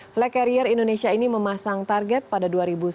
flag carrier indonesia ini memasang target pada dua ribu sembilan belas